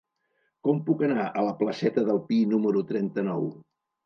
Com puc anar a la placeta del Pi número trenta-nou?